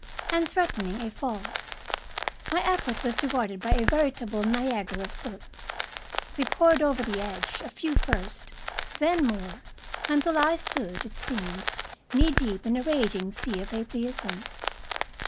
and threatening a fall. My effort was rewarded by a veritable Niagara of books. They poured over the edge, a few first, then more, until I stood, it seemed, knee deep in a raging sea of atheism.